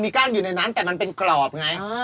กั้นอยู่ในนั้นแต่มันเป็นกรอบไง